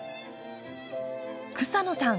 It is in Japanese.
草野さん